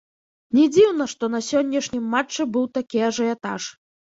Не дзіўна, што на сённяшнім матчы быў такі ажыятаж.